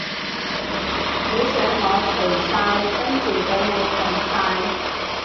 你想我除晒跟住畀你睇晒？